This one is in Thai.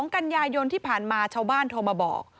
กันยายนที่ผ่านมาชาวบ้านโทรมาบอก